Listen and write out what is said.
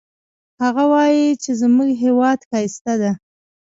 هغه وایي چې زموږ هیواد ښایسته ده